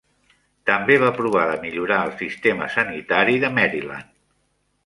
També va provar de millorar el sistema sanitari de Maryland.